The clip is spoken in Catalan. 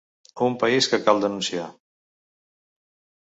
Un país que cal denunciar.